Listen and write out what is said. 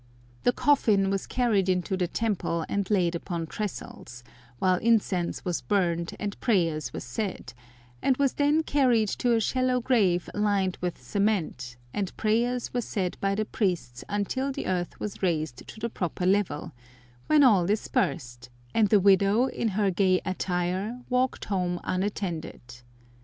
The coffin was carried into the temple and laid upon trestles, while incense was burned and prayers were said, and was then carried to a shallow grave lined with cement, and prayers were said by the priests until the earth was raised to the proper level, when all dispersed, and the widow, in her gay attire, walked home unattended.